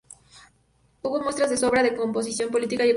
Hubo muestras de sobra de descomposición política y económica.